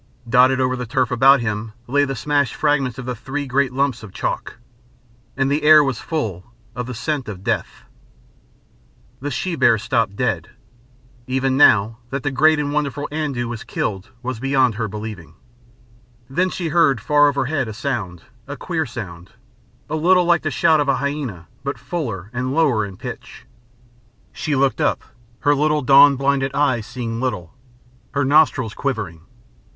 Dotted over the turf about him lay the smashed fragments of the three great lumps of chalk. And the air was full of the scent of death. The she bear stopped dead. Even now, that the great and wonderful Andoo was killed was beyond her believing. Then she heard far overhead a sound, a queer sound, a little like the shout of a hyæna but fuller and lower in pitch. She looked up, her little dawn blinded eyes seeing little, her nostrils quivering.